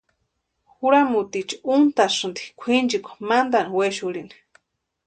Juramutiicha úntʼasïnti kwʼinchikwa mantani wexurhini.